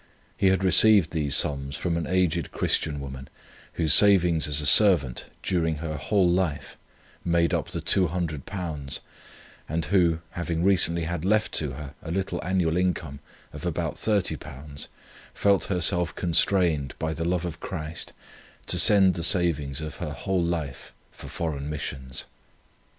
He had received these sums from an aged Christian woman, whose savings as a servant, during her WHOLE life, made up the £200, and who, having recently had left to her a little annual income of about £30, felt herself constrained, by the love of Christ, to send the savings of her whole life for foreign missions.